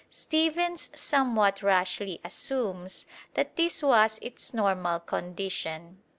Stephens somewhat rashly assumes that this was its normal condition.